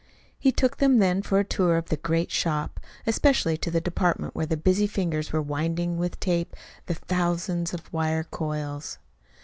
He took them then for a tour of the great shop, especially to the department where the busy fingers were winding with tape the thousands of wire coils.